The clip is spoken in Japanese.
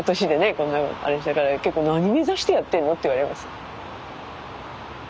こんなあれしたから結構何目指してやってんの？って言われます。